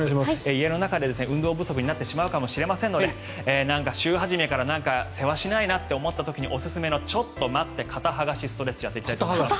家の中で運動不足になってしまうかもしれませんのでなんか週初めからせわしないなって思った時におすすめのちょっと待って肩剥がしストレッチをやっていきたいと思います。